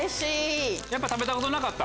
やっぱ食べたことなかった？